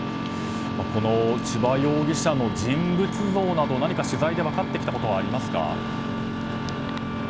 この千葉容疑者の人物像など何か取材で分かってきたことはありますか。